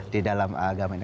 di dalam agama ini